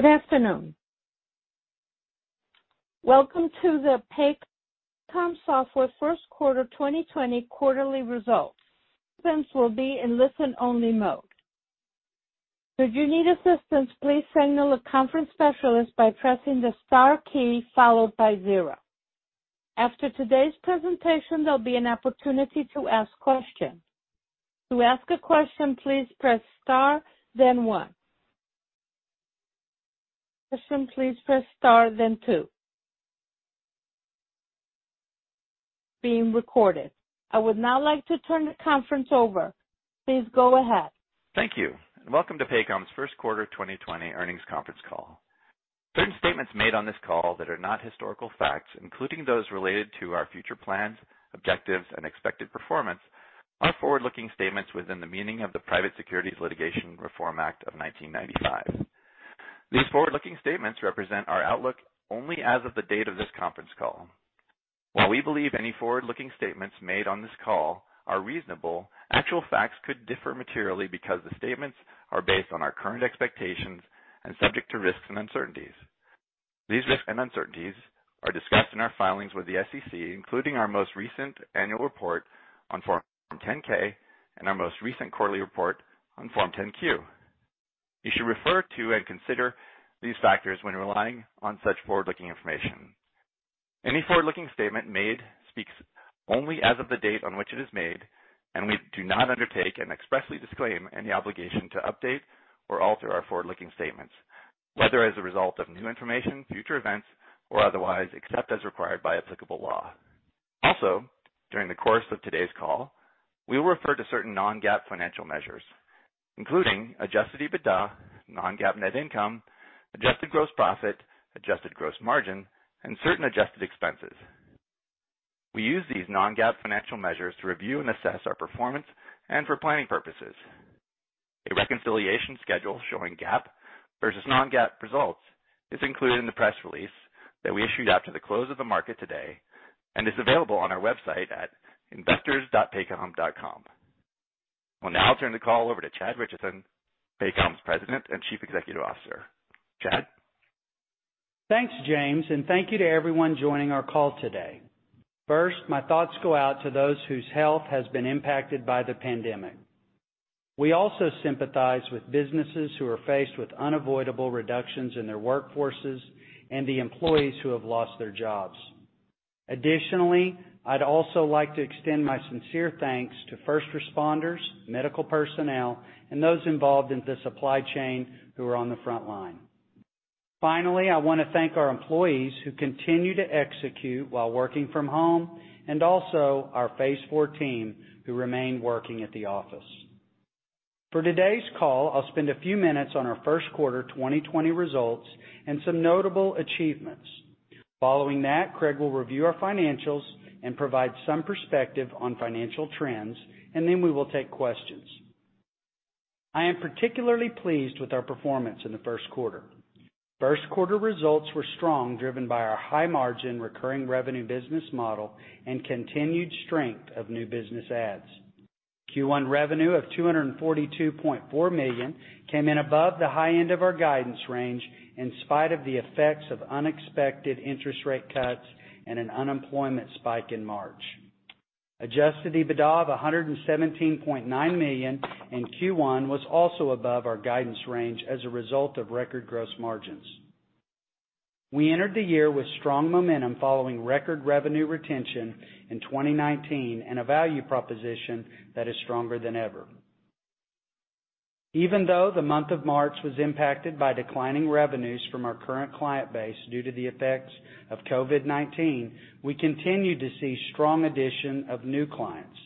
Good afternoon. Welcome to the Paycom Software first quarter 2020 quarterly results. Participants will be in listen only mode. Should you need assistance, please signal a conference specialist by pressing the star key followed by zero. After today's presentation, there'll be an opportunity to ask questions. To ask a question, please press star, then one. Question, please press star, then two. Being recorded. I would now like to turn the conference over. Please go ahead. Thank you, and welcome to Paycom's first quarter 2020 earnings conference call. Certain statements made on this call that are not historical facts, including those related to our future plans, objectives, and expected performance, are forward-looking statements within the meaning of the Private Securities Litigation Reform Act of 1995. These forward-looking statements represent our outlook only as of the date of this conference call. While we believe any forward-looking statements made on this call are reasonable, actual facts could differ materially because the statements are based on our current expectations and subject to risks and uncertainties. These risks and uncertainties are discussed in our filings with the SEC, including our most recent annual report on Form 10-K and our most recent quarterly report on Form 10-Q. You should refer to and consider these factors when relying on such forward-looking information. Any forward-looking statement made speaks only as of the date on which it is made, and we do not undertake and expressly disclaim any obligation to update or alter our forward-looking statements, whether as a result of new information, future events, or otherwise, except as required by applicable law. During the course of today's call, we will refer to certain non-GAAP financial measures, including adjusted EBITDA, non-GAAP net income, adjusted gross profit, adjusted gross margin, and certain adjusted expenses. We use these non-GAAP financial measures to review and assess our performance and for planning purposes. A reconciliation schedule showing GAAP versus non-GAAP results is included in the press release that we issued after the close of the market today and is available on our website at investors.paycom.com. I will now turn the call over to Chad Richison, Paycom's President and Chief Executive Officer. Chad? Thanks, James, and thank you to everyone joining our call today. First, my thoughts go out to those whose health has been impacted by the pandemic. We also sympathize with businesses who are faced with unavoidable reductions in their workforces and the employees who have lost their jobs. Additionally, I'd also like to extend my sincere thanks to first responders, medical personnel, and those involved in the supply chain who are on the front line. Finally, I want to thank our employees who continue to execute while working from home, and also our Phase IV team who remain working at the office. For today's call, I'll spend a few minutes on our first quarter 2020 results and some notable achievements. Following that, Craig will review our financials and provide some perspective on financial trends, and then we will take questions. I am particularly pleased with our performance in the first quarter. First quarter results were strong, driven by our high margin recurring revenue business model and continued strength of new business ads. Q1 revenue of $242.4 million came in above the high end of our guidance range in spite of the effects of unexpected interest rate cuts and an unemployment spike in March. Adjusted EBITDA of $117.9 million in Q1 was also above our guidance range as a result of record gross margins. We entered the year with strong momentum following record revenue retention in 2019 and a value proposition that is stronger than ever. Even though the month of March was impacted by declining revenues from our current client base due to the effects of COVID-19, we continued to see strong addition of new clients.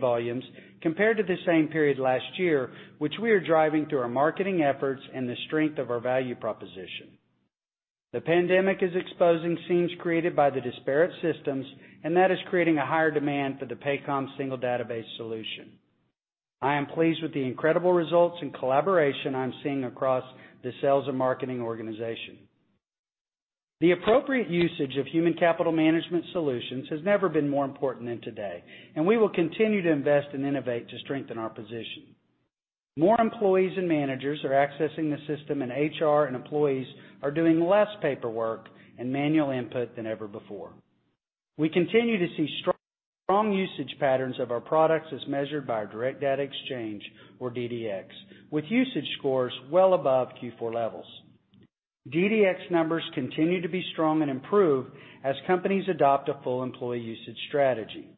volumes compared to the same period last year, which we are driving through our marketing efforts and the strength of our value proposition. The pandemic is exposing seams created by the disparate systems, and that is creating a higher demand for the Paycom single database solution. I am pleased with the incredible results and collaboration I'm seeing across the sales and marketing organization. The appropriate usage of human capital management solutions has never been more important than today, and we will continue to invest and innovate to strengthen our position. More employees and managers are accessing the system, and HR and employees are doing less paperwork and manual input than ever before. We continue to see strong usage patterns of our products as measured by our Direct Data Exchange, or DDX, with usage scores well above Q4 levels. DDX numbers continue to be strong and improve as companies adopt a full employee usage strategy.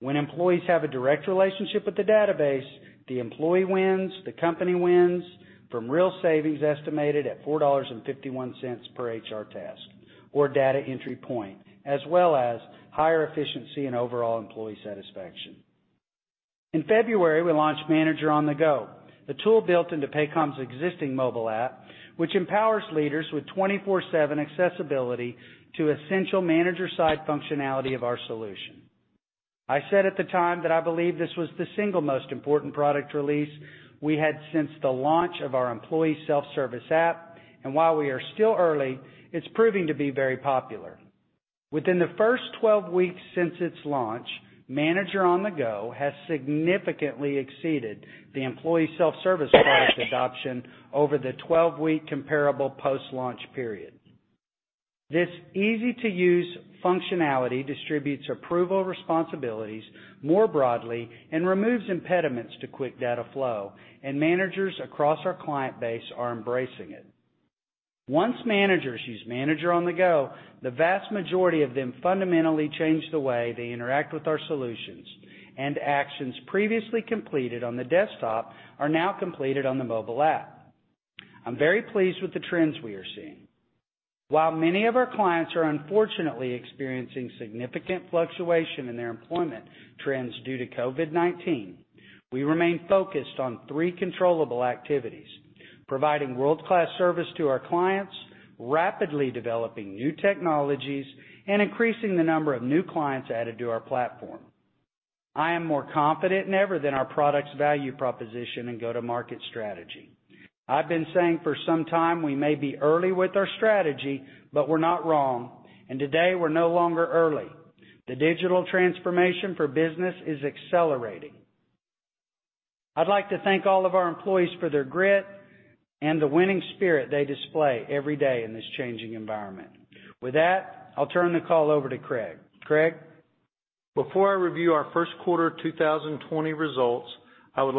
When employees have a direct relationship with the database, the employee wins, the company wins from real savings estimated at $4.51 per HR task or data entry point, as well as higher efficiency and overall employee satisfaction. In February, we launched Manager on-the-Go, the tool built into Paycom's existing mobile app, which empowers leaders with 24/7 accessibility to essential manager side functionality of our solution. I said at the time that I believe this was the single most important product release we had since the launch of our Employee Self-Service app, and while we are still early, it's proving to be very popular. Within the first 12 weeks since its launch, Manager on-the-Go has significantly exceeded the employee self-service product adoption over the 12-week comparable post-launch period. This easy-to-use functionality distributes approval responsibilities more broadly and removes impediments to quick data flow, and managers across our client base are embracing it. Once managers use Manager on-the-Go, the vast majority of them fundamentally change the way they interact with our solutions, and actions previously completed on the desktop are now completed on the mobile app. I'm very pleased with the trends we are seeing. While many of our clients are unfortunately experiencing significant fluctuation in their employment trends due to COVID-19, we remain focused on three controllable activities: providing world-class service to our clients, rapidly developing new technologies, and increasing the number of new clients added to our platform. I am more confident than ever in our product's value proposition and go-to-market strategy. I've been saying for some time, we may be early with our strategy, but we're not wrong. Today, we're no longer early. The digital transformation for business is accelerating. I'd like to thank all of our employees for their grit and the winning spirit they display every day in this changing environment. With that, I'll turn the call over to Craig. Craig? Before I review our first quarter of 2020 results, I would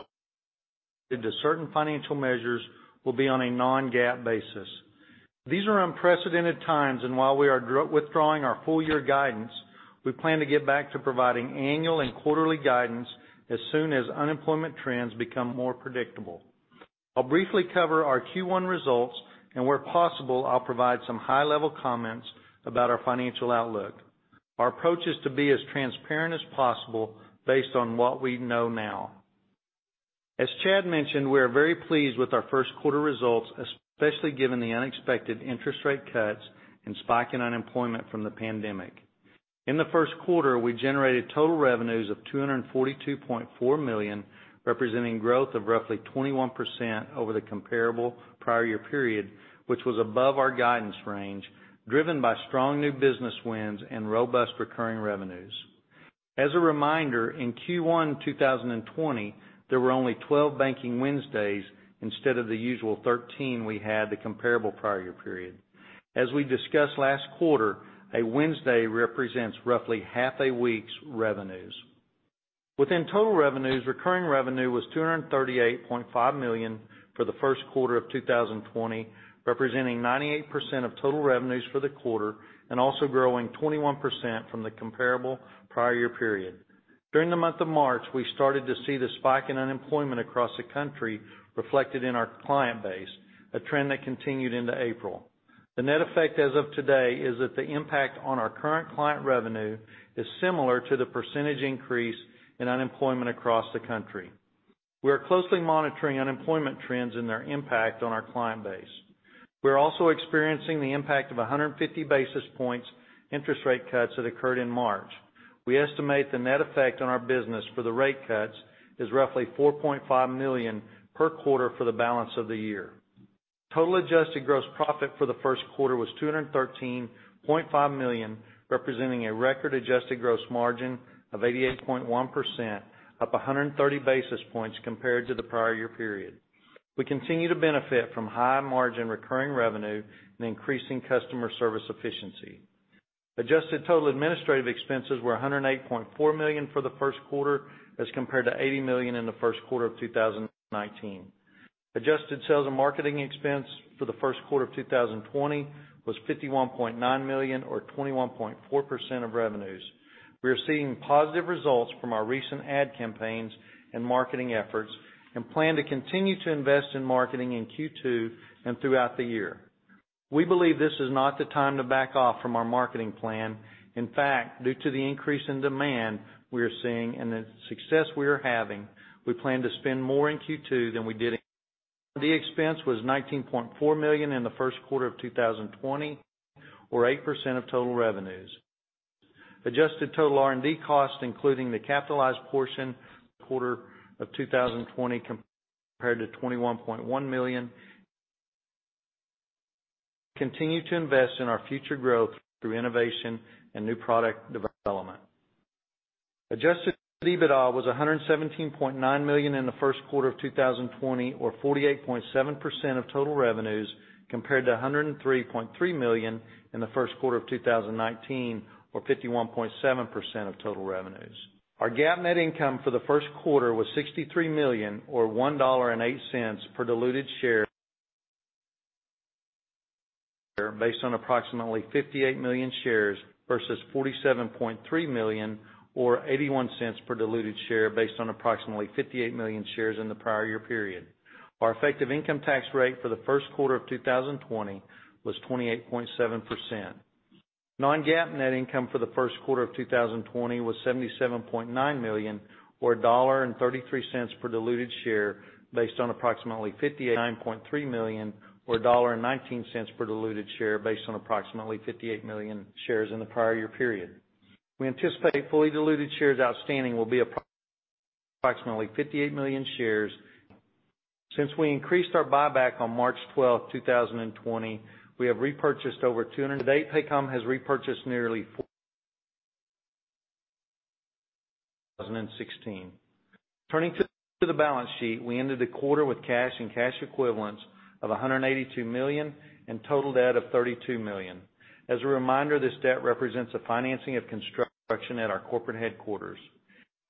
to certain financial measures will be on a non-GAAP basis. These are unprecedented times, and while we are withdrawing our full-year guidance, we plan to get back to providing annual and quarterly guidance as soon as unemployment trends become more predictable. I'll briefly cover our Q1 results, and where possible, I'll provide some high-level comments about our financial outlook. Our approach is to be as transparent as possible based on what we know now. As Chad mentioned, we are very pleased with our first quarter results, especially given the unexpected interest rate cuts and spike in unemployment from the pandemic. In the first quarter, we generated total revenues of $242.4 million, representing growth of roughly 21% over the comparable prior year period, which was above our guidance range, driven by strong new business wins and robust recurring revenues. As a reminder, in Q1 2020, there were only 12 banking Wednesdays instead of the usual 13 we had the comparable prior year period. As we discussed last quarter, a Wednesday represents roughly half a week's revenues. Within total revenues, recurring revenue was $238.5 million for the first quarter of 2020, representing 98% of total revenues for the quarter and also growing 21% from the comparable prior year period. During the month of March, we started to see the spike in unemployment across the country reflected in our client base, a trend that continued into April. The net effect as of today is that the impact on our current client revenue is similar to the percentage increase in unemployment across the country. We are closely monitoring unemployment trends and their impact on our client base. We are also experiencing the impact of 150 basis points interest rate cuts that occurred in March. We estimate the net effect on our business for the rate cuts is roughly $4.5 million per quarter for the balance of the year. Total adjusted gross profit for the first quarter was $213.5 million, representing a record-adjusted gross margin of 88.1%, up 130 basis points compared to the prior year period. We continue to benefit from high-margin recurring revenue and increasing customer service efficiency. Adjusted total administrative expenses were $108.4 million for the first quarter as compared to $80 million in the first quarter of 2019. Adjusted sales and marketing expense for the first quarter of 2020 was $51.9 million or 21.4% of revenues. We are seeing positive results from our recent ad campaigns and marketing efforts and plan to continue to invest in marketing in Q2 and throughout the year. We believe this is not the time to back off from our marketing plan. Due to the increase in demand we are seeing and the success we are having, we plan to spend more in Q2 than we did. The expense was $19.4 million in the first quarter of 2020, or 8% of total revenues. Adjusted total R&D cost, including the capitalized portion quarter of 2020 compared to $21.1 million. Continue to invest in our future growth through innovation and new product development. Adjusted EBITDA was $117.9 million in the first quarter of 2020, or 48.7% of total revenues, compared to $103.3 million in the first quarter of 2019, or 51.7% of total revenues. Our GAAP net income for the first quarter was $63 million, or $1.08 per diluted share, based on approximately 58 million shares versus $47.3 million or $0.81 per diluted share based on approximately 58 million shares in the prior year period. Our effective income tax rate for the first quarter of 2020 was 28.7%. Non-GAAP net income for the first quarter of 2020 was $77.9 million or $1.33 per diluted share based on approximately 58.3 million or $1.19 per diluted share based on approximately 58 million shares in the prior year period. We anticipate fully diluted shares outstanding will be approximately 58 million shares. Since we increased our buyback on March 12, 2020, we have repurchased over 200. To date, Paycom has repurchased nearly 4,016. Turning to the balance sheet, we ended the quarter with cash and cash equivalents of $182 million and total debt of $32 million. As a reminder, this debt represents the financing of construction at our corporate headquarters.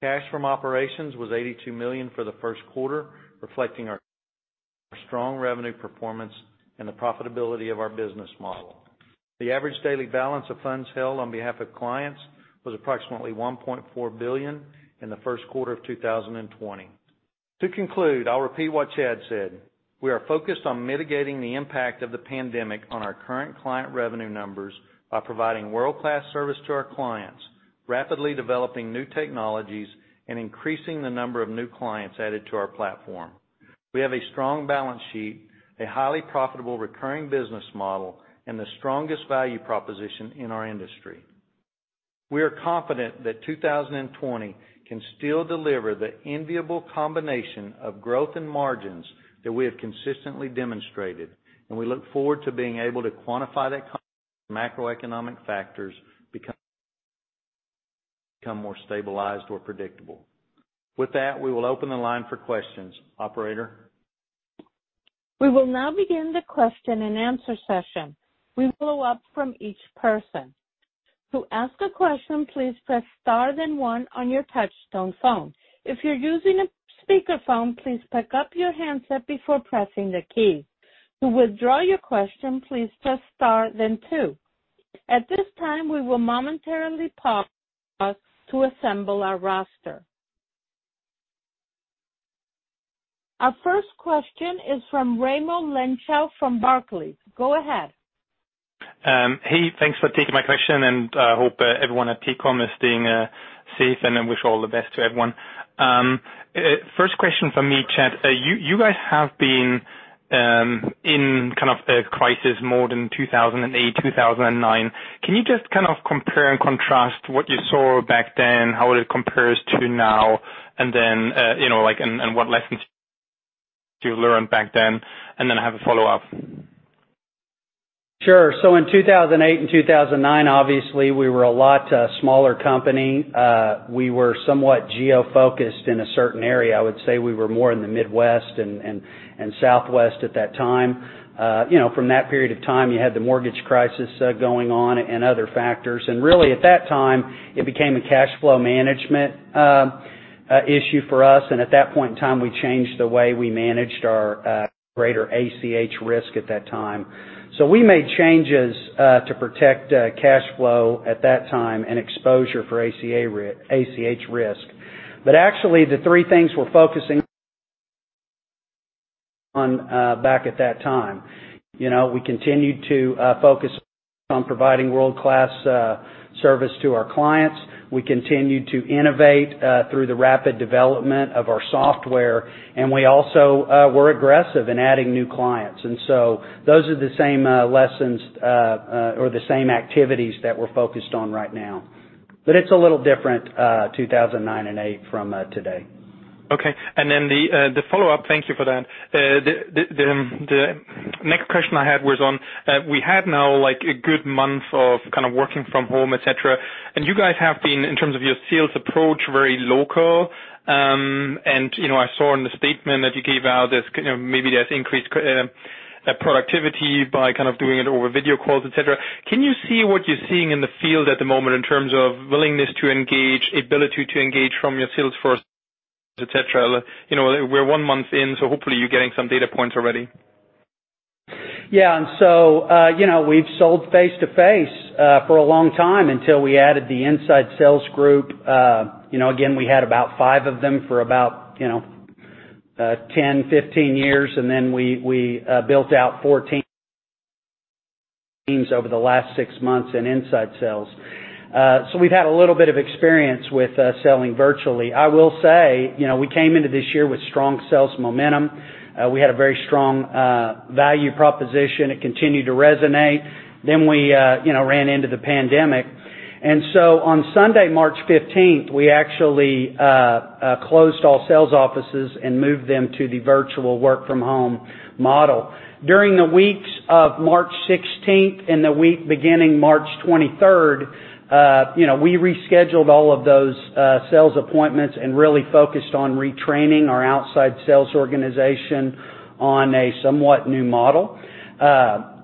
Cash from operations was $82 million for the first quarter, reflecting our strong revenue performance and the profitability of our business model. The average daily balance of funds held on behalf of clients was approximately $1.4 billion in the first quarter of 2020. To conclude, I'll repeat what Chad said. We are focused on mitigating the impact of the pandemic on our current client revenue numbers by providing world-class service to our clients, rapidly developing new technologies, and increasing the number of new clients added to our platform. We have a strong balance sheet, a highly profitable recurring business model, and the strongest value proposition in our industry. We are confident that 2020 can still deliver the enviable combination of growth and margins that we have consistently demonstrated, and we look forward to being able to quantify that macroeconomic factors become more stabilized or predictable. With that, we will open the line for questions. Operator? We will now begin the question and answer session. We will queue up from each person. To ask a question, please press star then one on your touchtone phone. If you're using a speakerphone, please pick up your handset before pressing the key. To withdraw your question, please press star then two. At this time, we will momentarily pause to assemble our roster. Our first question is from Raimo Lenschow from Barclays. Go ahead. Hey, thanks for taking my question, and I hope everyone at Paycom is staying safe, and I wish all the best to everyone. First question from me, Chad. You guys have been in kind of a crisis more than 2008, 2009. Can you just kind of compare and contrast what you saw back then, how it compares to now, and what lessons you learned back then? I have a follow-up. Sure. In 2008 and 2009, obviously, we were a lot smaller company. We were somewhat geo-focused in a certain area. I would say we were more in the Midwest and Southwest at that time. From that period of time, you had the mortgage crisis going on and other factors. Really, at that time, it became a cash flow management issue for us, and at that point in time, we changed the way we managed our greater ACH risk at that time. We made changes to protect cash flow at that time and exposure for ACH risk. Actually, the three things we're focusing on back at that time, we continued to focus on providing world-class service to our clients. We continued to innovate through the rapid development of our software, and we also were aggressive in adding new clients. Those are the same lessons or the same activities that we're focused on right now. It's a little different, 2009 and 2008 from today. Okay. The follow-up, thank you for that. The next question I had was on, we had now a good month of kind of working from home, et cetera, you guys have been, in terms of your sales approach, very local. I saw in the statement that you gave out, maybe there's increased productivity by kind of doing it over video calls, et cetera. Can you see what you're seeing in the field at the moment in terms of willingness to engage, ability to engage from your sales force, et cetera? We're one month in, so hopefully you're getting some data points already. Yeah. We've sold face-to-face for a long time until we added the inside sales group. Again, we had about five of them for about 10, 15 years. We built out 14 teams over the last six months in inside sales. We've had a little bit of experience with selling virtually. I will say, we came into this year with strong sales momentum. We had a very strong value proposition. It continued to resonate. We ran into the pandemic. On Sunday, March 15th, we actually closed all sales offices and moved them to the virtual work-from-home model. During the weeks of March 16th and the week beginning March 23rd, we rescheduled all of those sales appointments and really focused on retraining our outside sales organization on a somewhat new model.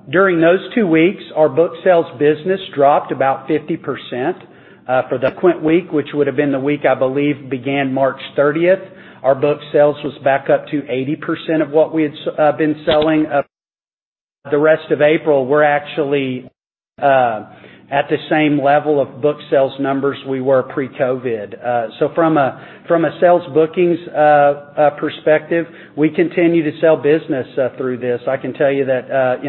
During those two weeks, our book sales business dropped about 50%. For the quint week, which would have been the week, I believe, began March 30th, our book sales was back up to 80% of what we had been selling. The rest of April, we're actually at the same level of book sales numbers we were pre-COVID-19. From a sales bookings perspective, we continue to sell business through this. I can tell you that,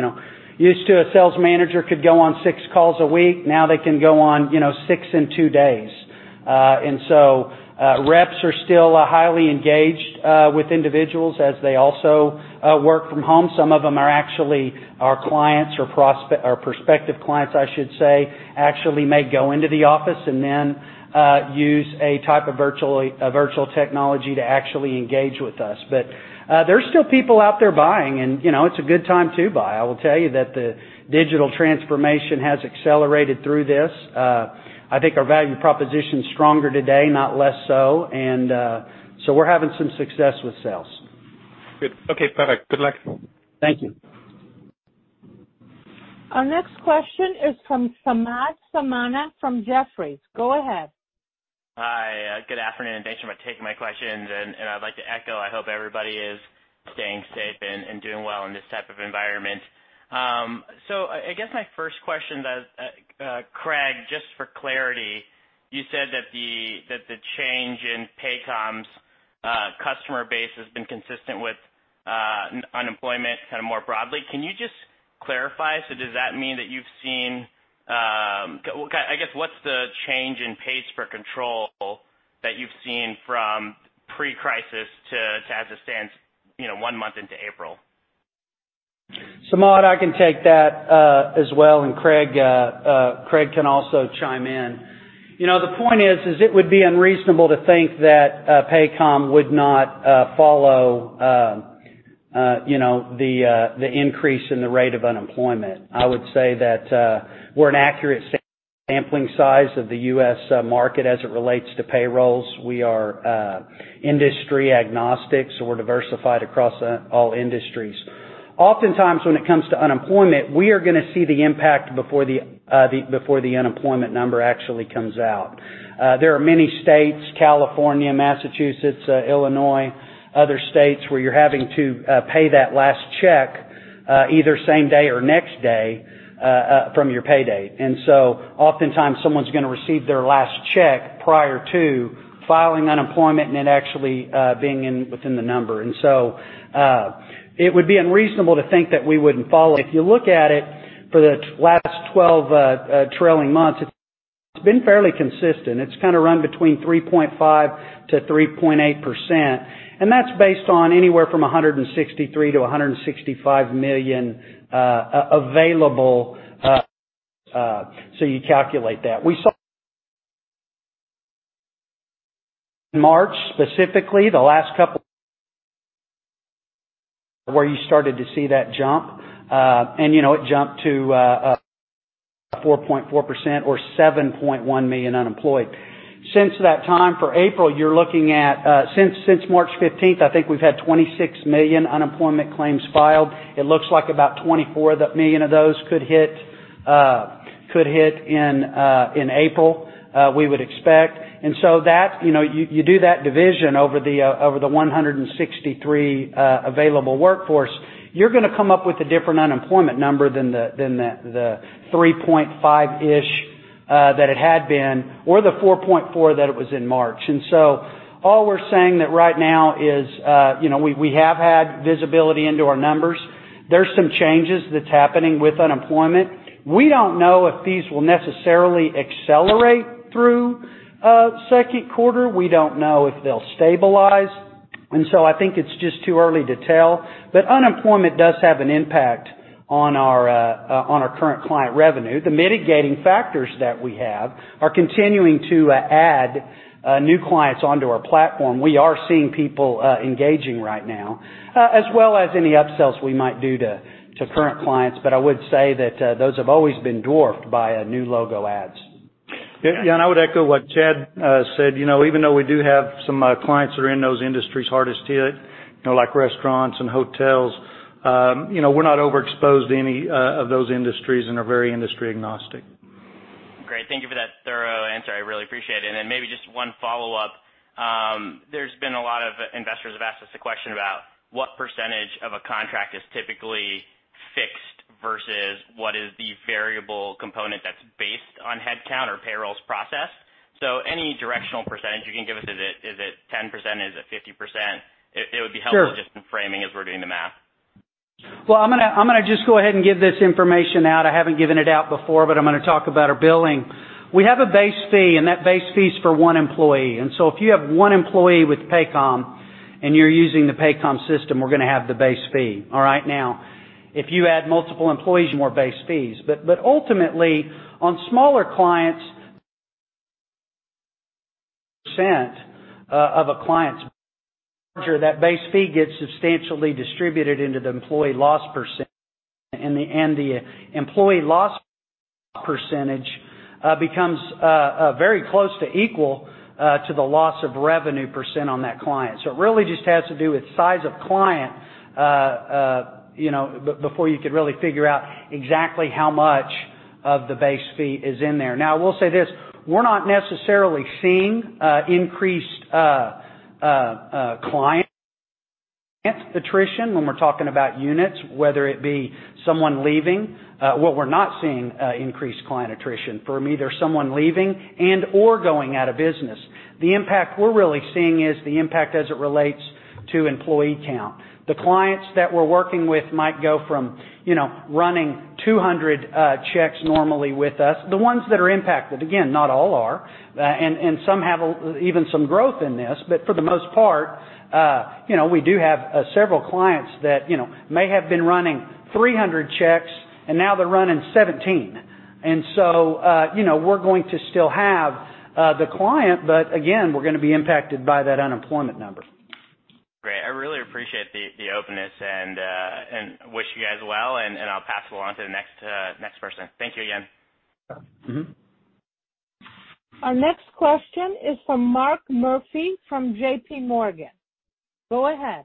used to a sales manager could go on six calls a week. Now they can go on six in two days. Reps are still highly engaged with individuals as they also work from home. Some of them are actually our clients or prospective clients, I should say, actually may go into the office and then use a type of virtual technology to actually engage with us. There's still people out there buying and it's a good time to buy. I will tell you that the digital transformation has accelerated through this. I think our value proposition is stronger today, not less so. We're having some success with sales. Good. Okay, perfect. Good luck. Thank you. Our next question is from Samad Samana from Jefferies. Go ahead. Hi, good afternoon. Thanks for taking my questions, and I'd like to echo, I hope everybody is staying safe and doing well in this type of environment. I guess my first question, Craig, just for clarity, you said that the change in Paycom's customer base has been consistent with unemployment kind of more broadly. Can you just clarify? Does that mean that you've seen I guess, what's the change in pace for control that you've seen from pre-crisis to as it stands one month into April? Samad, I can take that as well, and Craig can also chime in. The point is it would be unreasonable to think that Paycom would not follow the increase in the rate of unemployment. I would say that we're an accurate sampling size of the U.S. market as it relates to payrolls. We are industry agnostic, so we're diversified across all industries. Oftentimes, when it comes to unemployment, we are going to see the impact before the unemployment number actually comes out. There are many states, California, Massachusetts, Illinois, other states where you're having to pay that last check either same day or next day from your pay date. Oftentimes, someone's going to receive their last check prior to filing unemployment and it actually being within the number. It would be unreasonable to think that we wouldn't follow. If you look at it for the last 12 trailing months, it's been fairly consistent. It's kind of run between 3.5%-3.8%, and that's based on anywhere from 163 million-165 million available. You calculate that. We saw March specifically, the last couple where you started to see that jump. It jumped to 4.4% or 7.1 million unemployed. Since that time, Since March 15th, I think we've had 26 million unemployment claims filed. It looks like about 24 million of those could hit in April, we would expect. You do that division over the 163 available workforce, you're going to come up with a different unemployment number than the 3.5-ish that it had been or the 4.4 that it was in March. All we're saying that right now is we have had visibility into our numbers. There's some changes that's happening with unemployment. We don't know if these will necessarily accelerate through second quarter. We don't know if they'll stabilize. I think it's just too early to tell. Unemployment does have an impact on our current client revenue. The mitigating factors that we have are continuing to add new clients onto our platform. We are seeing people engaging right now. As well as any upsells we might do to current clients, but I would say that those have always been dwarfed by new logo ads. Yeah, I would echo what Chad said. Even though we do have some clients that are in those industries hardest hit, like restaurants and hotels, we're not overexposed to any of those industries and are very industry agnostic. Great. Thank you for that thorough answer. I really appreciate it. Then maybe just one follow-up. There's been a lot of investors have asked us a question about what percentage of a contract is typically fixed versus what is the variable component that's based on headcount or payrolls processed. Any directional percentage you can give us. Is it 10%? Is it 50%? It would be helpful. Sure just in framing as we're doing the math. Well, I'm going to just go ahead and give this information out. I haven't given it out before, but I'm going to talk about our billing. We have a base fee, that base fee is for one employee. If you have one employee with Paycom and you're using the Paycom system, we're going to have the base fee. All right? Now, if you add multiple employees, more base fees. Ultimately, on smaller clients, percent of a client's That base fee gets substantially distributed into the employee loss percent, and the employee loss percentage becomes very close to equal to the loss of revenue % on that client. It really just has to do with size of client before you could really figure out exactly how much of the base fee is in there. Now, I will say this. We're not necessarily seeing increased client attrition when we're talking about units, whether it be someone leaving. What we're not seeing increased client attrition from either someone leaving and/or going out of business. The impact we're really seeing is the impact as it relates to employee count. The clients that we're working with might go from running 200 checks normally with us. The ones that are impacted, again, not all are, and some have even some growth in this, but for the most part, we do have several clients that may have been running 300 checks, and now they're running 17. We're going to still have the client, but again, we're going to be impacted by that unemployment number. Great. I really appreciate the openness and wish you guys well, and I'll pass it along to the next person. Thank you again. Yeah. Mm-hmm. Our next question is from Mark Murphy from JPMorgan. Go ahead.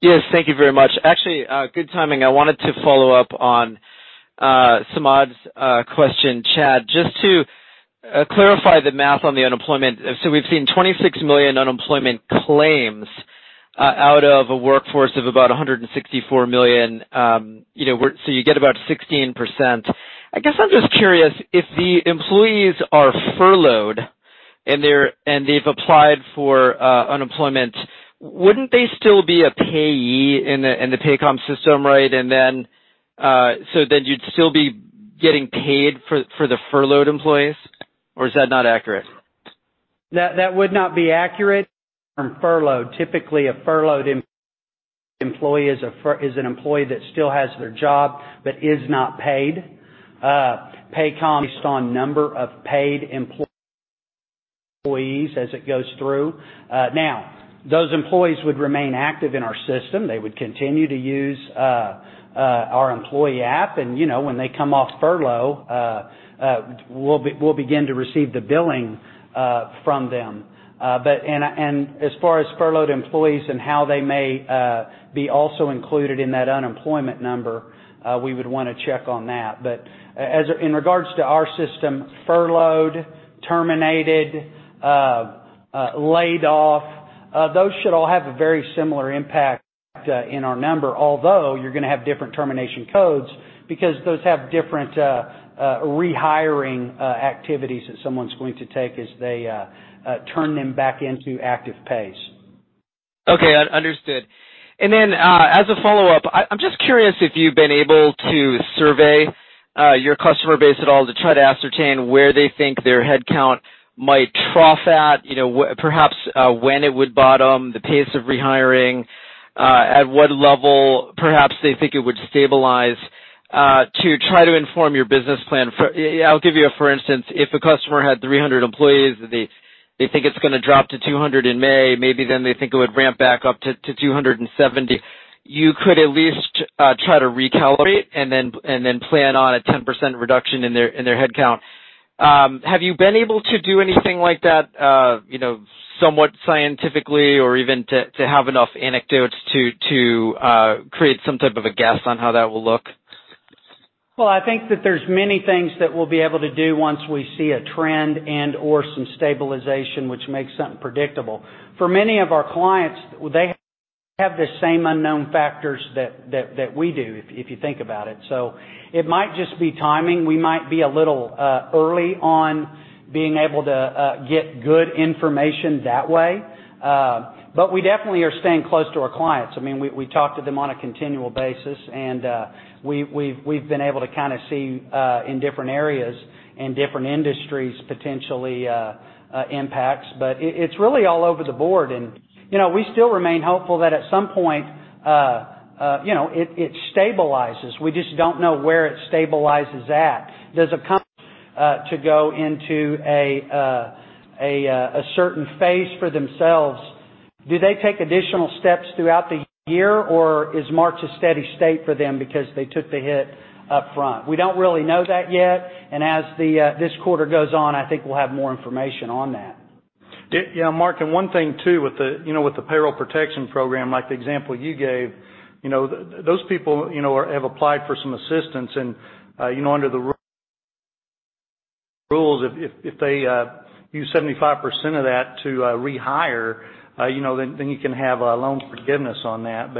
Yes, thank you very much. Actually, good timing. I wanted to follow up on Samad's question, Chad. Just to clarify the math on the unemployment. We've seen 26 million unemployment claims out of a workforce of about 164 million. You get about 16%. I guess I'm just curious, if the employees are furloughed, and they've applied for unemployment, wouldn't they still be a payee in the Paycom system, right? Then you'd still be getting paid for the furloughed employees? Is that not accurate? That would not be accurate from furlough. Typically, a furloughed employee is an employee that still has their job but is not paid. Paycom is based on number of paid employees as it goes through. Those employees would remain active in our system. They would continue to use our employee app. When they come off furlough, we'll begin to receive the billing from them. As far as furloughed employees and how they may be also included in that unemployment number, we would want to check on that. In regards to our system, furloughed, terminated, laid off, those should all have a very similar impact in our number, although you're going to have different termination codes because those have different rehiring activities that someone's going to take as they turn them back into active pays. Okay, understood. As a follow-up, I'm just curious if you've been able to survey your customer base at all to try to ascertain where they think their headcount might trough at, perhaps when it would bottom, the pace of rehiring, at what level perhaps they think it would stabilize, to try to inform your business plan. I'll give you a for instance. If a customer had 300 employees, they think it's going to drop to 200 in May, maybe then they think it would ramp back up to 270. You could at least try to recalibrate and then plan on a 10% reduction in their headcount. Have you been able to do anything like that somewhat scientifically or even to have enough anecdotes to create some type of a guess on how that will look? Well, I think that there's many things that we'll be able to do once we see a trend and/or some stabilization which makes something predictable. For many of our clients, they have the same unknown factors that we do if you think about it. It might just be timing. We might be a little early on being able to get good information that way. We definitely are staying close to our clients. We talk to them on a continual basis, we've been able to see in different areas and different industries, potentially impacts. It's really all over the board. We still remain hopeful that at some point it stabilizes. We just don't know where it stabilizes at. Does a company to go into a certain phase for themselves, do they take additional steps throughout the year, or is March a steady state for them because they took the hit up front? We don't really know that yet. As this quarter goes on, I think we'll have more information on that. Yeah, Mark, one thing too with the Paycheck Protection Program, like the example you gave, those people have applied for some assistance and under the rules, if they use 75% of that to rehire, then you can have a loan forgiveness on that.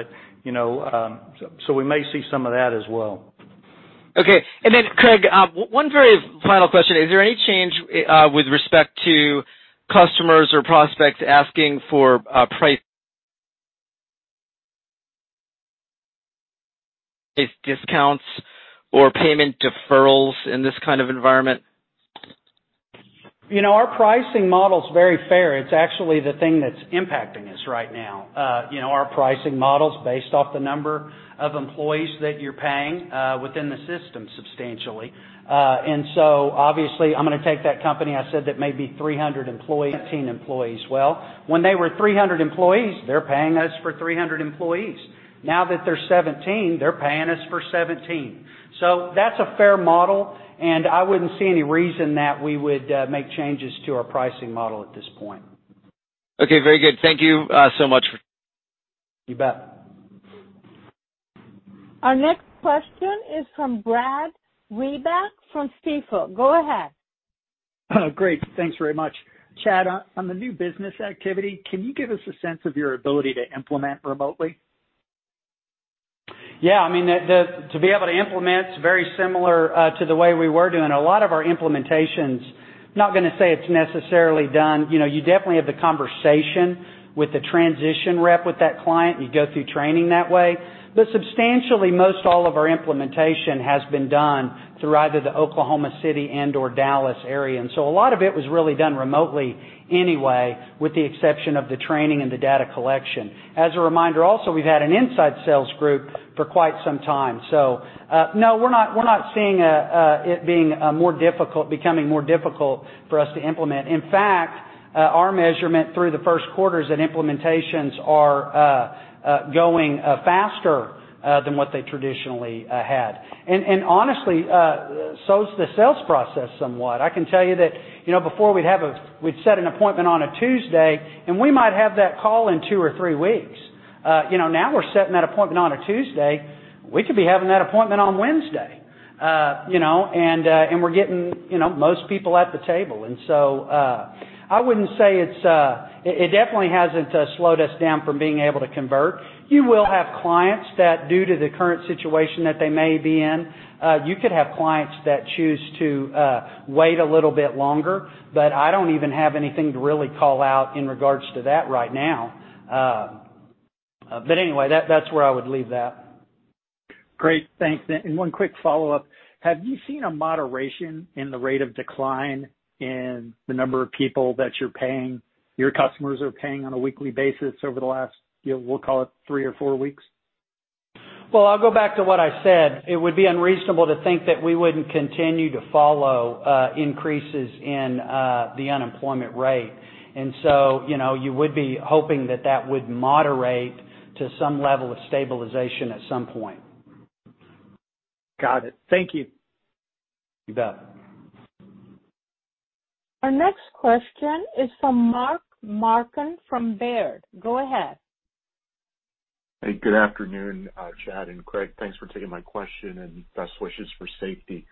We may see some of that as well. Okay. Craig, one very final question. Is there any change with respect to customers or prospects asking for price discounts or payment deferrals in this kind of environment? Our pricing model is very fair. It's actually the thing that's impacting us right now. Our pricing model is based off the number of employees that you're paying within the system substantially. Obviously I'm going to take that company I said that may be 300 employees, 17 employees. Well, when they were 300 employees, they're paying us for 300 employees. Now that they're 17, they're paying us for 17. That's a fair model, and I wouldn't see any reason that we would make changes to our pricing model at this point. Okay. Very good. Thank you so much. You bet. Our next question is from Brad Reback from Stifel. Go ahead. Great. Thanks very much. Chad, on the new business activity, can you give us a sense of your ability to implement remotely? Yeah. To be able to implement, it's very similar to the way we were doing a lot of our implementations. Not going to say it's necessarily done. You definitely have the conversation with the transition rep with that client. You go through training that way. Substantially, most all of our implementation has been done through either the Oklahoma City and/or Dallas area. A lot of it was really done remotely anyway, with the exception of the training and the data collection. As a reminder, also, we've had an inside sales group for quite some time. No, we're not seeing it becoming more difficult for us to implement. In fact, our measurement through the first quarter is that implementations are going faster than what they traditionally had. Honestly, so is the sales process somewhat. I can tell you that, before we'd set an appointment on a Tuesday, we might have that call in two or three weeks. Now we're setting that appointment on a Tuesday, we could be having that appointment on Wednesday. We're getting most people at the table. It definitely hasn't slowed us down from being able to convert. You will have clients that due to the current situation that they may be in, you could have clients that choose to wait a little bit longer, but I don't even have anything to really call out in regards to that right now. Anyway, that's where I would leave that. Great. Thanks. One quick follow-up. Have you seen a moderation in the rate of decline in the number of people that your customers are paying on a weekly basis over the last, we'll call it three or four weeks? Well, I'll go back to what I said. It would be unreasonable to think that we wouldn't continue to follow increases in the unemployment rate. You would be hoping that that would moderate to some level of stabilization at some point. Got it. Thank you. You bet. Our next question is from Mark Marcon from Baird. Go ahead. Hey, good afternoon, Chad and Craig. Thanks for taking my question and best wishes for safety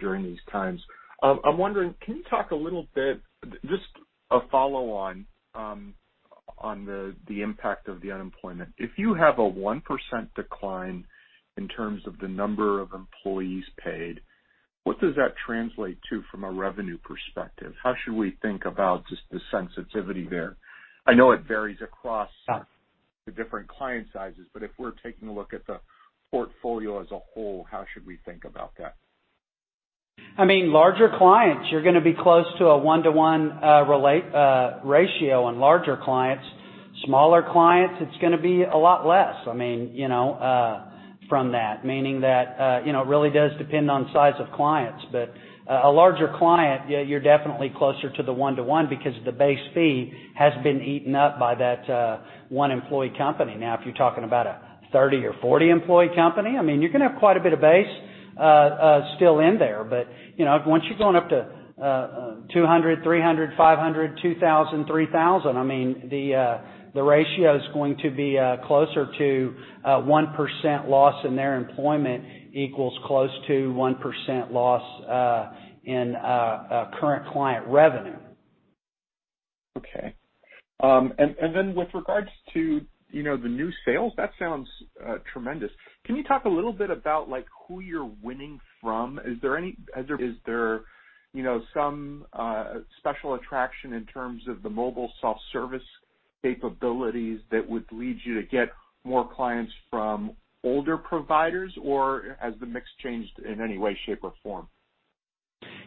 during these times. I'm wondering, can you talk a little bit, just a follow-on, on the impact of the unemployment. If you have a 1% decline in terms of the number of employees paid, what does that translate to from a revenue perspective? How should we think about just the sensitivity there? I know it varies across the different client sizes, but if we're taking a look at the portfolio as a whole, how should we think about that? Larger clients, you're going to be close to a one-to-one ratio on larger clients. Smaller clients, it's going to be a lot less from that, meaning that it really does depend on size of clients. A larger client, you're definitely closer to the one-to-one because the base fee has been eaten up by that one employee company. If you're talking about a 30 or 40 employee company, you're going to have quite a bit of base still in there. Once you're going up to 200, 300, 500, 2,000, 3,000, the ratio is going to be closer to 1% loss in their employment equals close to 1% loss in current client revenue. Okay. With regards to the new sales, that sounds tremendous. Can you talk a little bit about who you're winning from? Is there some special attraction in terms of the mobile self-service capabilities that would lead you to get more clients from older providers? Has the mix changed in any way, shape, or form?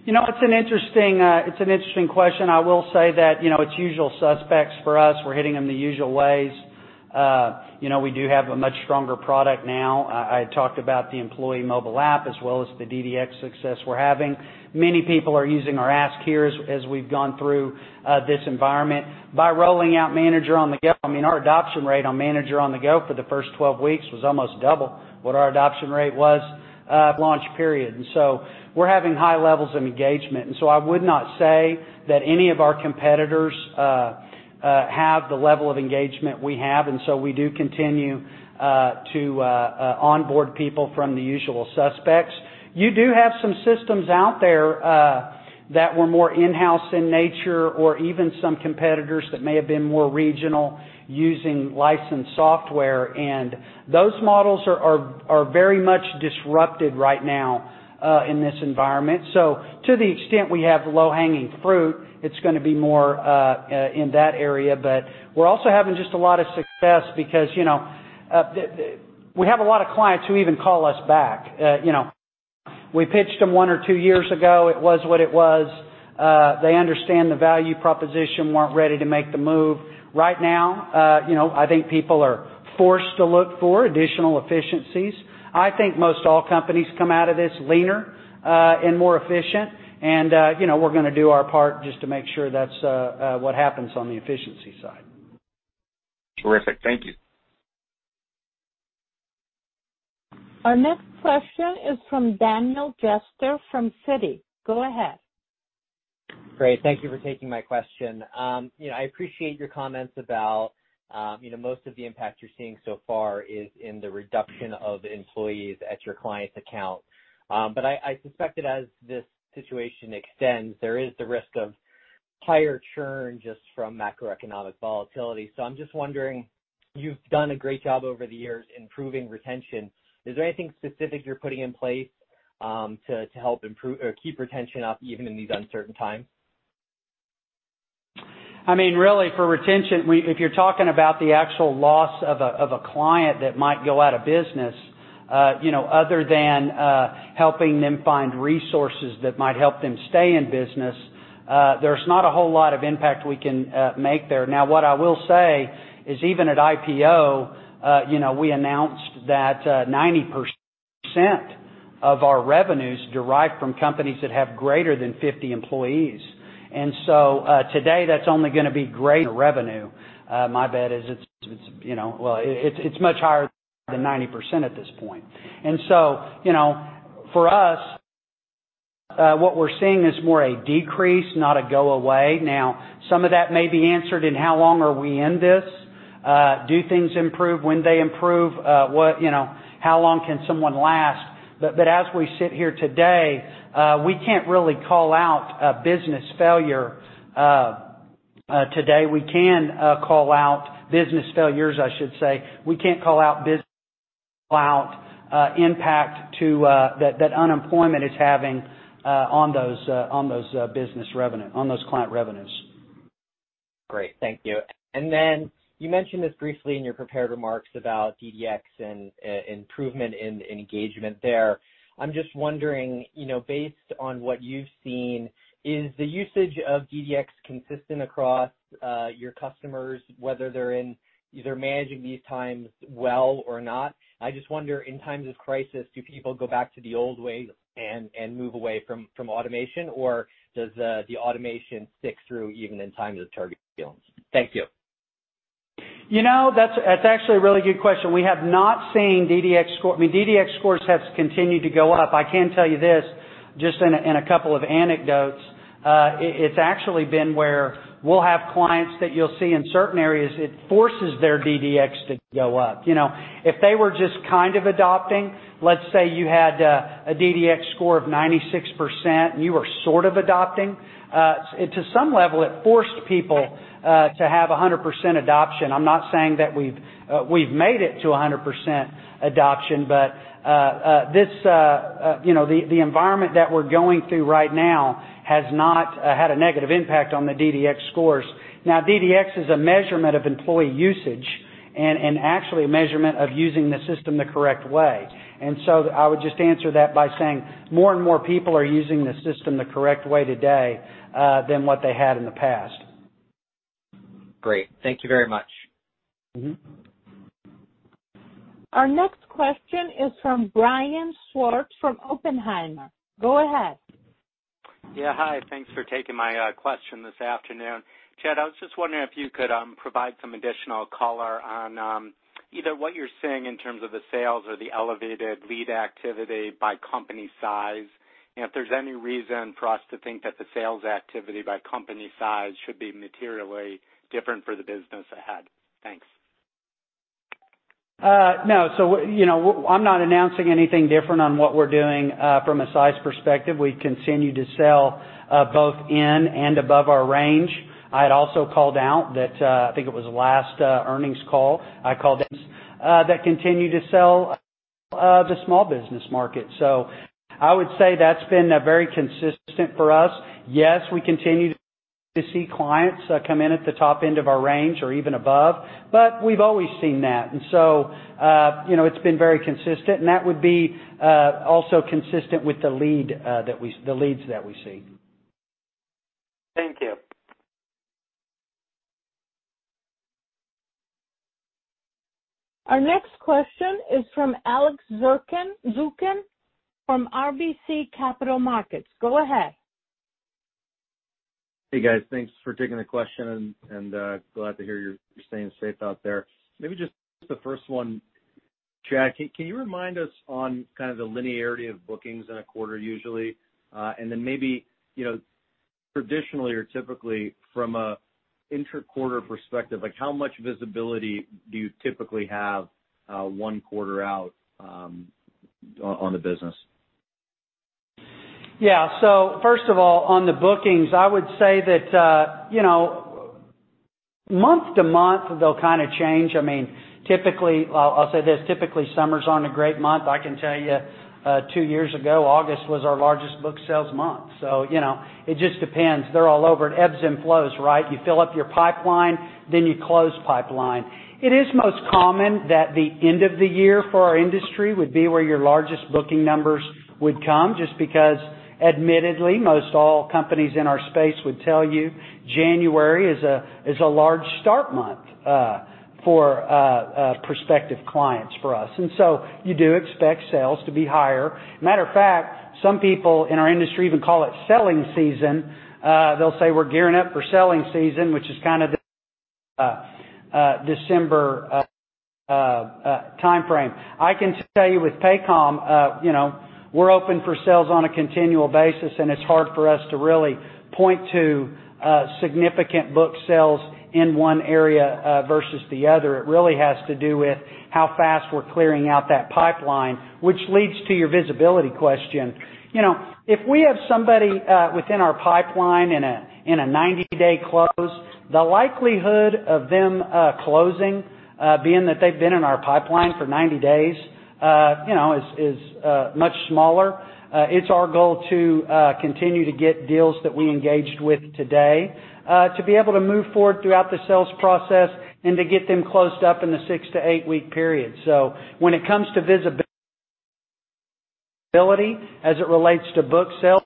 It's an interesting question. I will say that it's usual suspects for us. We're hitting them the usual ways. We do have a much stronger product now. I had talked about the employee mobile app as well as the DDX success we're having. Many people are using our Ask Here as we've gone through this environment. By rolling out Manager on-the-Go, our adoption rate on Manager on-the-Go for the first 12 weeks was almost double what our adoption rate was at launch period. We're having high levels of engagement, and so I would not say that any of our competitors have the level of engagement we have. We do continue to onboard people from the usual suspects. You do have some systems out there that were more in-house in nature, or even some competitors that may have been more regional using licensed software, and those models are very much disrupted right now in this environment. To the extent we have low-hanging fruit, it's going to be more in that area. We're also having just a lot of success because we have a lot of clients who even call us back. We pitched them one or two years ago. It was what it was. They understand the value proposition, weren't ready to make the move. Right now, I think people are forced to look for additional efficiencies. I think most all companies come out of this leaner and more efficient. We're going to do our part just to make sure that's what happens on the efficiency side. Terrific. Thank you. Our next question is from Daniel Jester from Citi. Go ahead. Great. Thank you for taking my question. I appreciate your comments about most of the impact you're seeing so far is in the reduction of employees at your clients' accounts. I suspect that as this situation extends, there is the risk of higher churn just from macroeconomic volatility. I'm just wondering, you've done a great job over the years improving retention. Is there anything specific you're putting in place to help improve or keep retention up even in these uncertain times? Really, for retention, if you're talking about the actual loss of a client that might go out of business, other than helping them find resources that might help them stay in business, there's not a whole lot of impact we can make there. What I will say is even at IPO, we announced that 90% of our revenues derive from companies that have greater than 50 employees. Today, that's only going to be greater revenue. My bet is it's much higher than 90% at this point. For us, what we're seeing is more a decrease, not a go away. Some of that may be answered in how long are we in this? Do things improve? When they improve, how long can someone last? As we sit here today, we can't really call out a business failure. Today, we can call out business failures, I should say. We can't call out impact that unemployment is having on those client revenues. Great. Thank you. Then you mentioned this briefly in your prepared remarks about DDX and improvement in engagement there. I'm just wondering, based on what you've seen, is the usage of DDX consistent across your customers, whether they're either managing these times well or not? I just wonder, in times of crisis, do people go back to the old ways and move away from automation, or does the automation stick through even in times of turbulence? Thank you. That's actually a really good question. We have not seen DDX scores have continued to go up. I can tell you this, just in a couple of anecdotes. It's actually been where we'll have clients that you'll see in certain areas, it forces their DDX to go up. If they were just kind of adopting, let's say you had a DDX score of 96%, and you were sort of adopting. To some level, it forced people to have 100% adoption. I'm not saying that we've made it to 100% adoption, but the environment that we're going through right now has not had a negative impact on the DDX scores. Now, DDX is a measurement of employee usage and actually a measurement of using the system the correct way. I would just answer that by saying more and more people are using the system the correct way today than what they had in the past. Great. Thank you very much. Our next question is from Brian Schwartz from Oppenheimer. Go ahead. Yeah. Hi. Thanks for taking my question this afternoon. Chad, I was just wondering if you could provide some additional color on either what you're seeing in terms of the sales or the elevated lead activity by company size, and if there's any reason for us to think that the sales activity by company size should be materially different for the business ahead. Thanks. No. I'm not announcing anything different on what we're doing from a size perspective. We continue to sell both in and above our range. I had also called out that, I think it was last earnings call, I called this, that continue to sell the small business market. I would say that's beenvery consistent for us. Yes, we continue to see clients come in at the top end of our range or even above, but we've always seen that. It's been very consistent, and that would be also consistent with the leads that we see. Thank you. Our next question is from Alex Zukin from RBC Capital Markets. Go ahead. Hey, guys. Thanks for taking the question, and glad to hear you're staying safe out there. Maybe just the first one, Chad, can you remind us on kind of the linearity of bookings in a quarter usually? Then maybe, traditionally or typically from a inter-quarter perspective, how much visibility do you typically have one quarter out on the business? Yeah. First of all, on the bookings, I would say that month to month, they'll change. I'll say this, typically summers aren't a great month. I can tell you, two years ago, August was our largest book sales month. It just depends. They're all over. It ebbs and flows, right? You fill up your pipeline, then you close pipeline. It is most common that the end of the year for our industry would be where your largest booking numbers would come, just because admittedly, most all companies in our space would tell you January is a large start month for prospective clients for us. You do expect sales to be higher. Matter of fact, some people in our industry even call it selling season. They'll say we're gearing up for selling season, which is kind of the December timeframe. I can tell you with Paycom, we're open for sales on a continual basis, and it's hard for us to really point to significant book sales in one area versus the other. It really has to do with how fast we're clearing out that pipeline, which leads to your visibility question. If we have somebody within our pipeline in a 90-day close, the likelihood of them closing, being that they've been in our pipeline for 90 days, is much smaller. It's our goal to continue to get deals that we engaged with today to be able to move forward throughout the sales process and to get them closed up in the six to eight-week period. When it comes to visibility as it relates to book sales,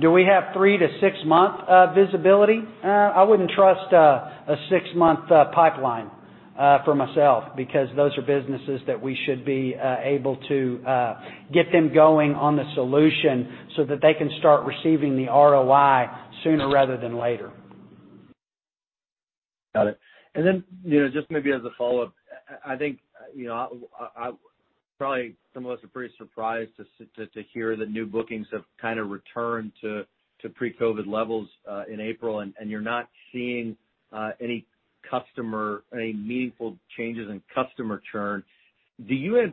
do we have three to six-month visibility? I wouldn't trust a six-month pipeline for myself, because those are businesses that we should be able to get them going on the solution so that they can start receiving the ROI sooner rather than later. Got it. Then, just maybe as a follow-up, I think, probably some of us are pretty surprised to hear the new bookings have returned to pre-COVID levels in April, and you're not seeing any meaningful changes in customer churn. When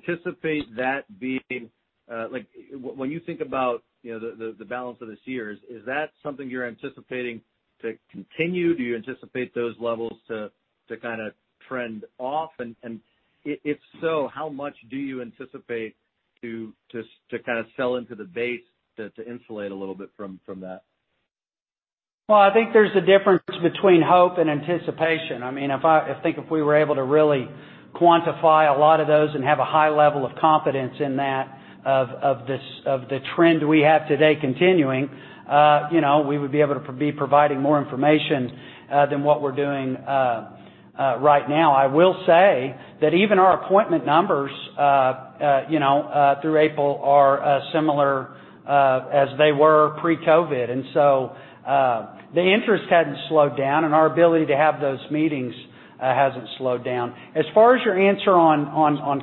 you think about the balance of this year, is that something you're anticipating to continue? Do you anticipate those levels to trend off? If so, how much do you anticipate to sell into the base to insulate a little bit from that? I think there's a difference between hope and anticipation. I think if we were able to really quantify a lot of those and have a high level of confidence in that, of the trend we have today continuing, we would be able to be providing more information than what we're doing right now. The interest hadn't slowed down, and our ability to have those meetings hasn't slowed down. As far as your answer on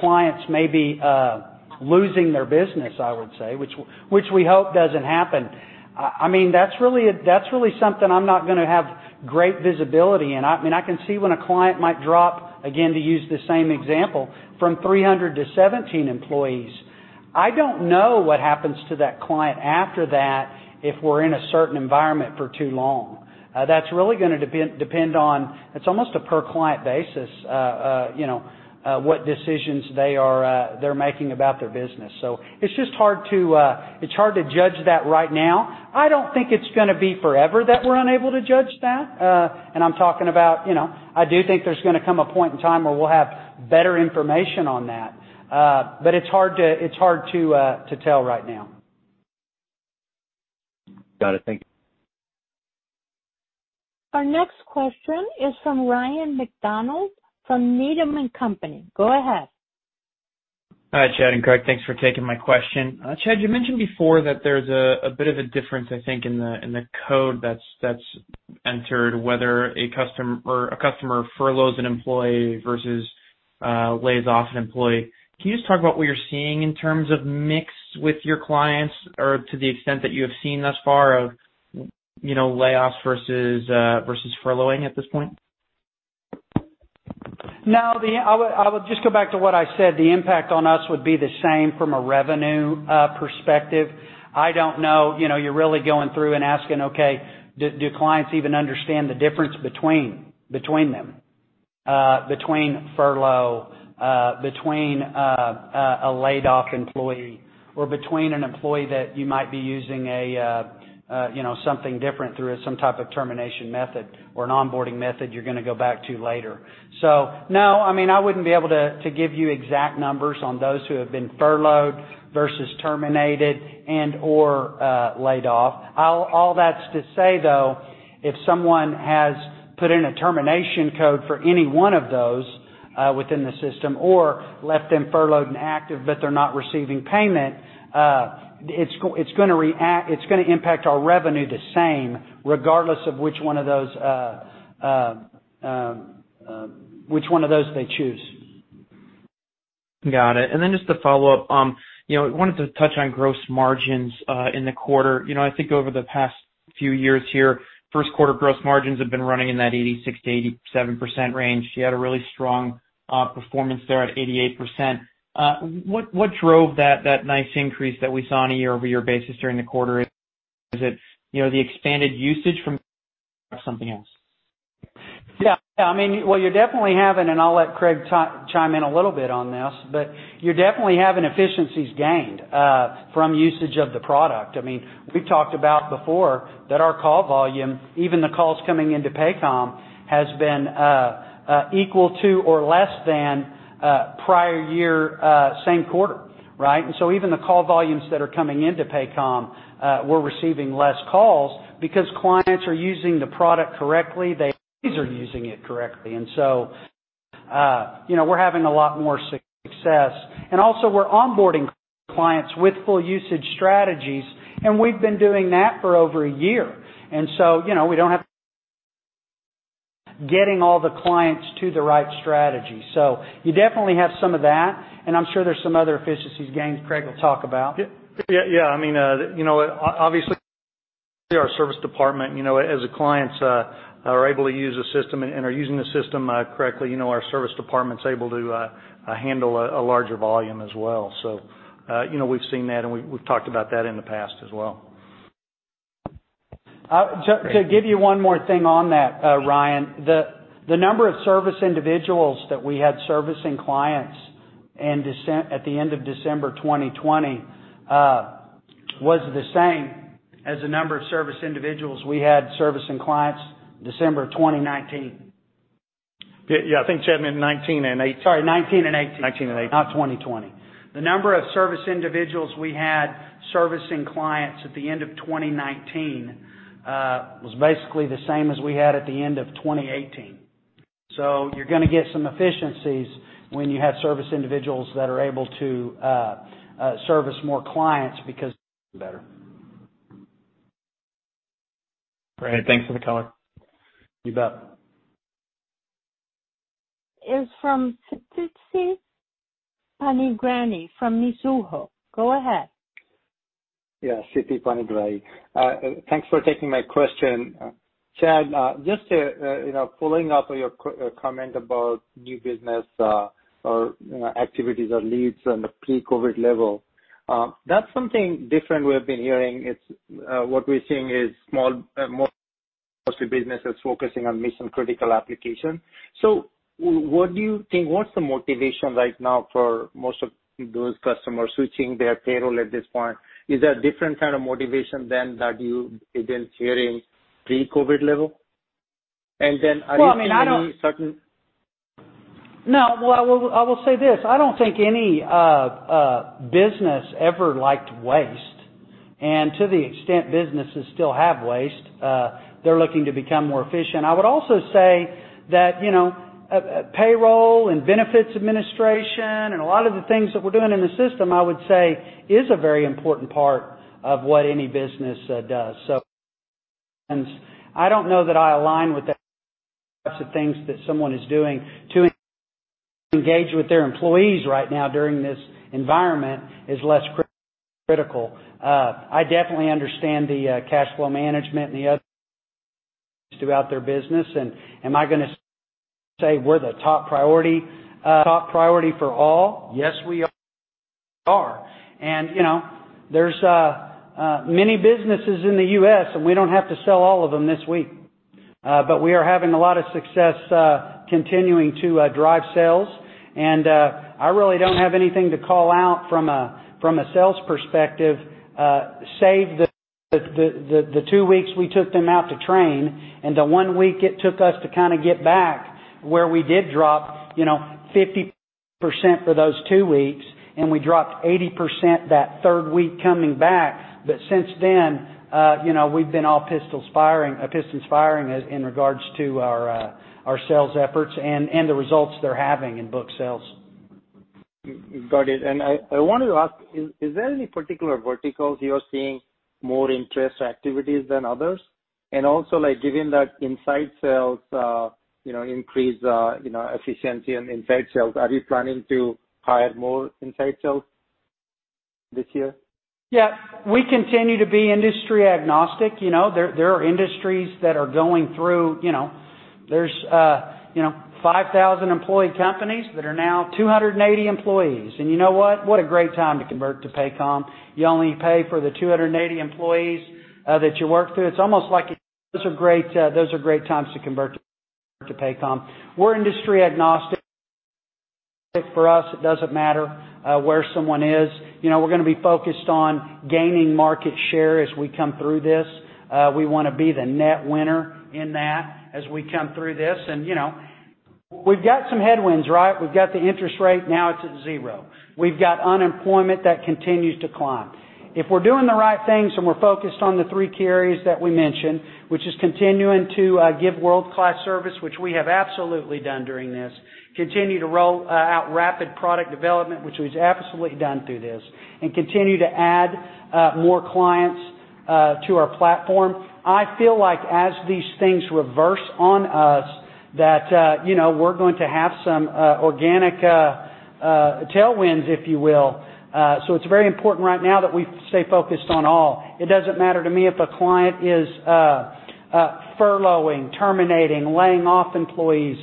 clients maybe losing their business, I would say, which we hope doesn't happen. That's really something I'm not going to have great visibility in. I can see when a client might drop, again, to use the same example, from 300 to 17 employees. I don't know what happens to that client after that if we're in a certain environment for too long. That's really going to depend on, it's almost a per-client basis, what decisions they're making about their business. It's just hard to judge that right now. I don't think it's going to be forever that we're unable to judge that. I'm talking about, I do think there's going to come a point in time where we'll have better information on that. It's hard to tell right now. Got it. Thank you. Our next question is from Ryan MacDonald from Needham & Company. Go ahead. Hi, Chad and Craig. Thanks for taking my question. Chad, you mentioned before that there's a bit of a difference, I think, in the code that's entered, whether a customer furloughs an employee versus lays off an employee. Can you just talk about what you're seeing in terms of mix with your clients, or to the extent that you have seen thus far of layoffs versus furloughing at this point? I would just go back to what I said. The impact on us would be the same from a revenue perspective. I don't know. You're really going through and asking, okay, do clients even understand the difference between them, between furlough, between a laid-off employee, or between an employee that you might be using something different through some type of termination method or an onboarding method you're going to go back to later. No, I wouldn't be able to give you exact numbers on those who have been furloughed versus terminated and/or laid off. All that's to say, though, if someone has put in a termination code for any one of those within the system or left them furloughed and active, but they're not receiving payment, it's going to impact our revenue the same, regardless of which one of those they choose. Got it. Just to follow up, I wanted to touch on gross margins in the quarter. I think over the past few years here, first quarter gross margins have been running in that 86%-87% range. You had a really strong performance there at 88%. What drove that nice increase that we saw on a year-over-year basis during the quarter? Is it the expanded usage from something else? Well, you're definitely having, and I'll let Craig chime in a little bit on this, but you're definitely having efficiencies gained from usage of the product. We've talked about before that our call volume, even the calls coming into Paycom, has been equal to or less than prior year same quarter. Right? Even the call volumes that are coming into Paycom, we're receiving less calls because clients are using the product correctly. Their employees are using it correctly. We're having a lot more success. We're onboarding clients with full usage strategies, and we've been doing that for over a year. We don't have getting all the clients to the right strategy. You definitely have some of that, and I'm sure there's some other efficiencies gained Craig will talk about. Yeah. Our service department, as the clients are able to use the system and are using the system correctly, our service department's able to handle a larger volume as well. We've seen that, and we've talked about that in the past as well. To give you one more thing on that, Ryan, the number of service individuals that we had servicing clients at the end of December 2020, was the same as the number of service individuals we had servicing clients December 2019. Yeah. I think, Chad, meant 2019 and 2018. Sorry, 2019 and 2018. 2019 and 2018. Not 2020. The number of service individuals we had servicing clients at the end of 2019, was basically the same as we had at the end of 2018. You're going to get some efficiencies when you have service individuals that are able to service more clients because they're better. Great. Thanks for the color. You bet. Is from Siti Panigrahi from Mizuho. Go ahead. Yeah. Siti Panigrahi. Thanks for taking my question. Chad, pulling up on your comment about new business or activities or leads on the pre-COVID level. That's something different we have been hearing. What we're seeing is mostly businesses focusing on mission-critical application. What do you think, what's the motivation right now for most of those customers switching their payroll at this point? Is there a different kind of motivation than that you had been hearing pre-COVID level? Then are you seeing any certain- No. Well, I will say this. I don't think any business ever liked waste, and to the extent businesses still have waste, they're looking to become more efficient. I would also say that payroll and benefits administration and a lot of the things that we're doing in the system, I would say, is a very important part of what any business does. I don't know that I align with the types of things that someone is doing to engage with their employees right now during this environment is less critical. I definitely understand the cash flow management and the other throughout their business and am I going to say we're the top priority for all? Yes, we are. There's many businesses in the U.S., and we don't have to sell all of them this week. We are having a lot of success continuing to drive sales. I really don't have anything to call out from a sales perspective, save the two weeks we took them out to train and the one week it took us to get back, where we did drop 50% for those two weeks, and we dropped 80% that third week coming back. Since then, we've been all pistons firing in regards to our sales efforts and the results they're having in book sales. Got it. I wanted to ask, is there any particular verticals you're seeing more interest or activities than others? Given that inside sales increase efficiency, are you planning to hire more inside sales this year? Yeah. We continue to be industry agnostic. There are industries that are going through There's 5,000-employee companies that are now 280 employees. You know what? What a great time to convert to Paycom. You only pay for the 280 employees that you work through. It's almost like those are great times to convert to Paycom. We're industry agnostic. For us, it doesn't matter where someone is. We're going to be focused on gaining market share as we come through this. We want to be the net winner in that as we come through this. We've got some headwinds, right? We've got the interest rate, now it's at zero. We've got unemployment that continues to climb. If we're doing the right things and we're focused on the three key areas that we mentioned, which is continuing to give world-class service, which we have absolutely done during this, continue to roll out rapid product development, which we've absolutely done through this, and continue to add more clients to our platform. I feel like as these things reverse on us, that we're going to have some organic tailwinds, if you will. It's very important right now that we stay focused on all. It doesn't matter to me if a client is furloughing, terminating, laying off employees.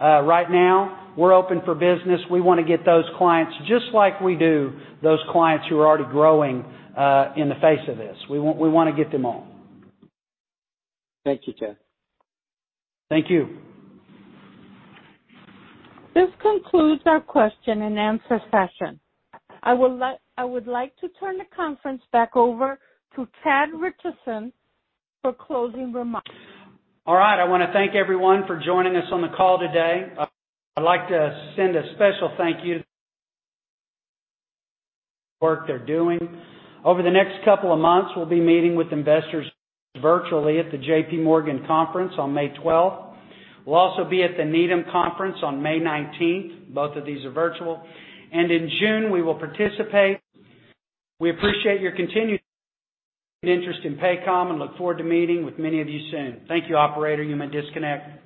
Right now, we're open for business. We want to get those clients, just like we do those clients who are already growing in the face of this. We want to get them all. Thank you, Chad. Thank you. This concludes our question and answer session. I would like to turn the conference back over to Chad Richison for closing remarks. All right. I want to thank everyone for joining us on the call today. I'd like to send a special thank you work they're doing. Over the next couple of months, we'll be meeting with investors virtually at the JPMorgan conference on May 12th. We'll also be at the Needham conference on May 19th. Both of these are virtual. In June, we will participate. We appreciate your continued interest in Paycom and look forward to meeting with many of you soon. Thank you, operator. You may disconnect.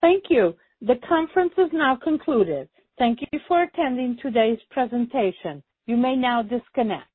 Thank you. The conference is now concluded. Thank you for attending today's presentation. You may now disconnect.